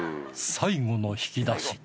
最後の引き出し